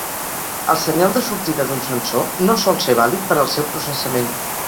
El senyal de sortida d'un sensor no sol ser vàlid per al seu processament.